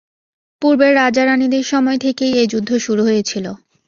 পূর্বের রাজা-রাণীদের সময় থেকেই এই যুদ্ধ শুরু হয়েছিল।